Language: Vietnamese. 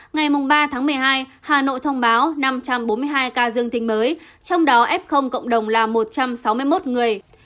ngày ba tháng một mươi hai hà nội thông báo năm trăm bốn mươi hai ca dương tính mới trong đó f cộng đồng là một trăm sáu mươi một người